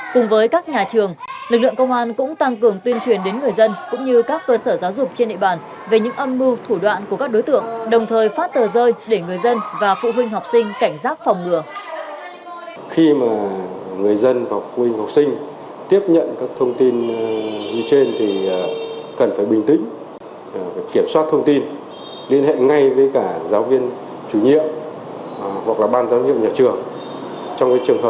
cùng với các nhà trường lực lượng công an cũng tăng cường tuyên truyền đến người dân cũng như các cơ sở giáo dục trên địa bàn về những âm mưu thủ đoạn của các đối tượng đồng thời phát tờ rơi để người dân và phụ huynh học sinh cảnh giác phòng ngừa